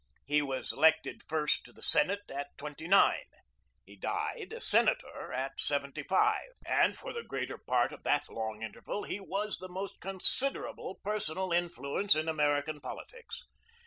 He was elected first to the Senate at twenty nine. He died a Senator at seventy five, and for the greater part of that long interval he was the most considerable personal influence in American politics.